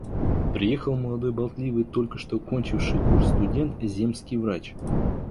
Приехал молодой болтливый, только что кончивший курс студент, земский врач.